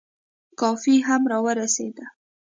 کافي هم را ورسېده.